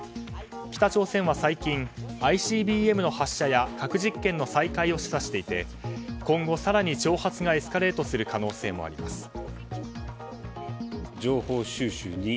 北朝鮮は最近、ＩＣＢＭの発射や核実験の再開を示唆していて今後更に挑発がエスカレートする可能性もあります。